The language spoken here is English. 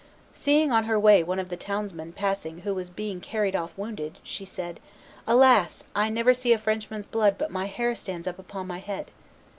Seeing on her way one of the townsmen passing who was being carried off wounded, she said, "Alas! I never see a Frenchman's blood but my hair stands up on my head!"